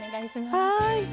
はい。